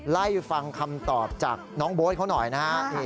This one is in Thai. ไล่ฟังคำตอบจากน้องโบ๊ทเขาหน่อยนะฮะ